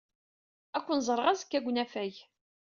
Ad ken-ẓreɣ azekka deg unafag.